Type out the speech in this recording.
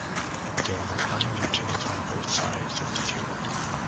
There are high mountains on both sides of the fjord.